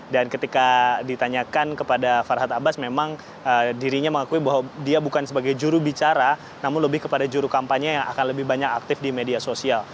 dan ketika ditanyakan kepada farhad abbas memang dirinya mengakui bahwa dia bukan sebagai jurubicara namun lebih kepada jurukampanye yang akan lebih banyak aktif di media sosial